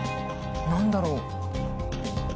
何だろう？